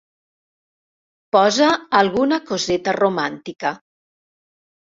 Posa alguna coseta romàntica.